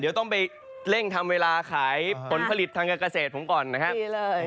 เดี๋ยวต้องไปเร่งทำเวลาขายผลผลิตทางการเกษตรผมก่อนนะครับ